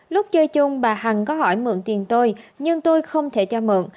lúc chơi chung bà hằng có hỏi mượn tiền tôi nhưng tôi không thể cho mượn